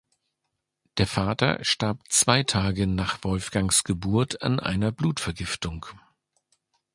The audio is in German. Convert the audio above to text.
Der Vater starb zwei Tage nach Wolfgangs Geburt an einer Blutvergiftung.